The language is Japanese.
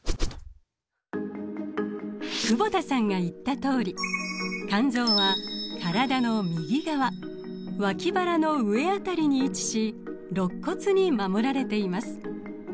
久保田さんが言ったとおり肝臓は体の右側脇腹の上辺りに位置しろっ骨に守られています。